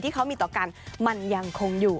ที่เขามีต่อกันมันยังคงอยู่